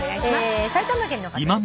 埼玉県の方です。